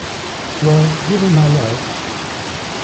Well, give him my love.